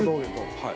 はい。